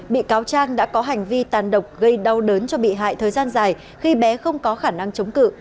bị cáo trang đã có hành vi tàn độc gây đau đớn cho bị hại thời gian dài khi bé không có khả năng chống cự